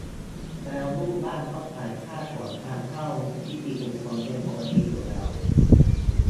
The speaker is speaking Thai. แล้วลูกบ้านก็จ่ายค่าส่วนกลางเข้านิติบุคคลเป็นปกติอยู่แล้ว